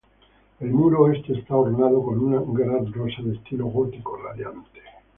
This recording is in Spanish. El muro oeste está ornado con una gran rosa de estilo gótico radiante.